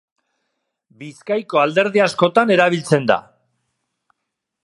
Bizkaiko alderdi askotan erabiltzen da.